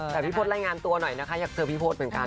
แต่พี่พศรายงานตัวหน่อยนะคะอยากเจอพี่พศเหมือนกัน